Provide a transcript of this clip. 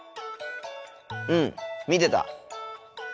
うん見てた。